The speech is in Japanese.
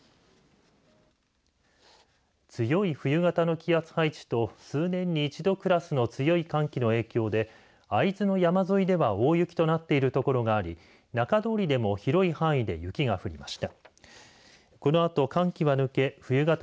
強い冬型の気圧配置と数年に１度クラスの強い寒気の影響で、会津の山沿いでは大雪となっている所があり中通りでも広い範囲で雪が降りました。